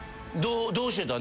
どうしてた？